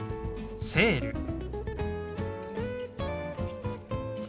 「セール」。